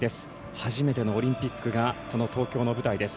初めてのオリンピックがこの東京の舞台です。